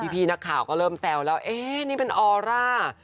พี่นักข่าวก็เริ่มแซวแล้วนี่เป็นออร่า